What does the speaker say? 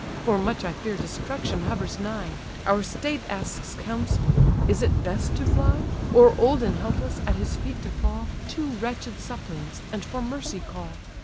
For much I fear destruction hovers nigh: Our state asks counsel; is it best to fly? Or old and helpless, at his feet to fall, Two wretched suppliants, and for mercy call?"